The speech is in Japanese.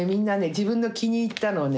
自分の気に入ったのをね